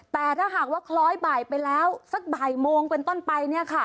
แต่ถ้าหากว่าคล้อยบ่ายไปแล้วสักบ่ายโมงเป็นต้นไป